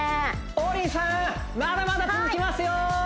王林さんまだまだ続きますよ！